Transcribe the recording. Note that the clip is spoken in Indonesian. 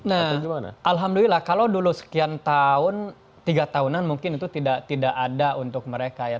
nah alhamdulillah kalau dulu sekian tahun tiga tahunan mungkin itu tidak ada untuk mereka ya